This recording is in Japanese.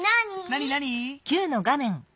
なになに？